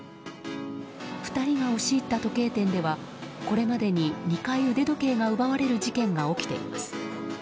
２人が押し入った時計店ではこれまでに２回、腕時計が奪われる事件が起きています。